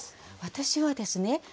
私はですね